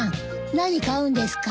何買うんですか？